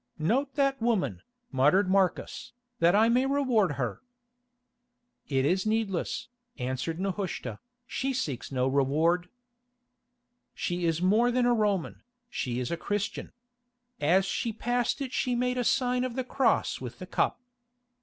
"Note that woman," muttered Marcus, "that I may reward her." "It is needless," answered Nehushta, "she seeks no reward." "That is strange in a Roman," he said bitterly. "She is more than a Roman, she is a Christian. As she passed it she made a sign of the cross with the cup."